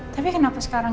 tapi kenapa sekarang